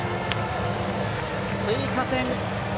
追加点。